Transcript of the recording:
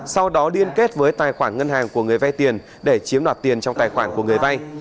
sau đó điên kết với tài khoản ngân hàng của người vai tiền để chiếm đoạt tiền trong tài khoản của người vai